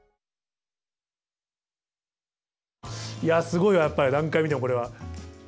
いやすごいわやっぱり何回見てもこれは。